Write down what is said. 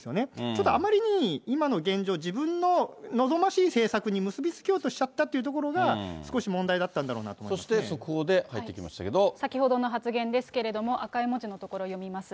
ちょっとあまりに今の現状、自分の望ましい政策に結び付けようとしちゃったっていうところが、少し問題だったんだろうなと思いまそして速報で入ってきました先ほどの発言ですけれども、赤い文字のところを読みます。